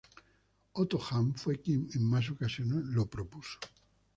Otto Hahn fue quien en más ocasiones le propuso.